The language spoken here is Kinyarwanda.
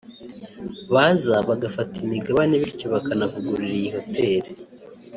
baza bagafata imigabane bityo bakanavugurura iyi hotel